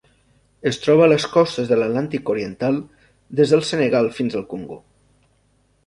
Es troba a les costes de l'Atlàntic oriental: des del Senegal fins al Congo.